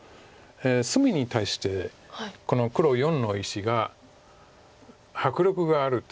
隅に対してこの黒④の石が迫力があるというか。